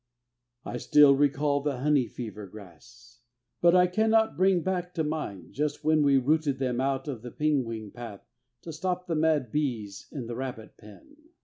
I still recall the honey fever grass, But I cannot bring back to mind just when We rooted them out of the ping wing path To stop the mad bees in the rabbit pen.